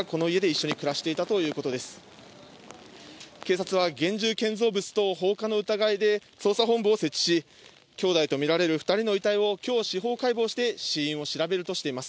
警察は現住建造物等放火の疑いで捜査本部を設置し、兄弟とみられる２人の遺体を今日、司法解剖して死因を調べるとしています。